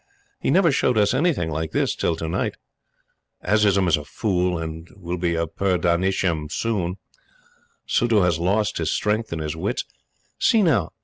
He never showed us anything like this till to night. Azizun is a fool, and will be a pur dahnashin soon. Suddhoo has lost his strength and his wits. See now!